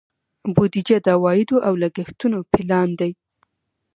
بودیجه د عوایدو او لګښتونو پلان دی.